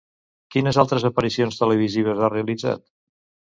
Quines altres aparicions televisives ha realitzat?